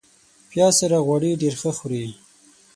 پیاز سره غوړي ډېر ښه خوري